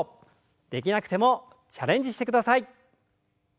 できなくてもチャレンジしてください。